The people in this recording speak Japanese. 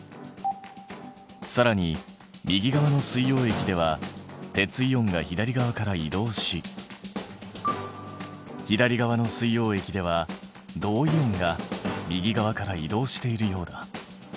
さらに右側の水溶液では鉄イオンが左側から移動し左側の水溶液では銅イオンが右側から移動しているようだ。